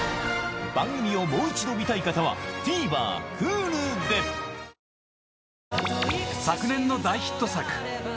番組をもう一度見たい方はＴＶｅｒＨｕｌｕでおや？